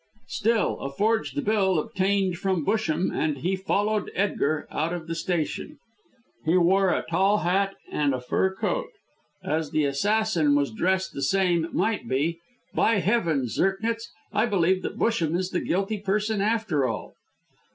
"Still, a forged bill, obtained from Busham, and he followed Edgar out of the station. He wore a tall hat and a fur coat. As the assassin was dressed the same it might be By Heavens! Zirknitz, I believe that Busham is the guilty person, after all."